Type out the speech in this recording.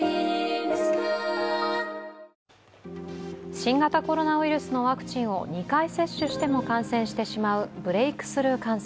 新型コロナウイルスのワクチンを２回接種しても感染してしまうブレークスルー感染。